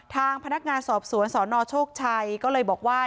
ทางพนักงานสอบสวนสนโชคชัยก็เลยบอกว่า